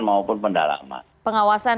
maupun pendalaman pengawasan